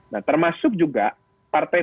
nah termasuk juga partai